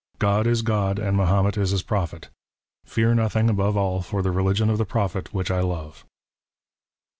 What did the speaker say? God is " God, and Mahomet is his Prophet ! Fear notliing above all for '' the religion of the Prophet, which I love."